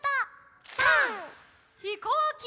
ひこうき！